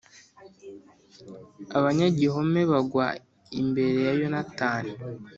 abanyagihome bagwa imbere ya Yonatani